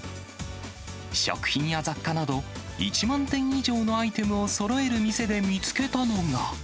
食品や雑貨など、１万点以上のアイテムをそろえる店で見つけたのが。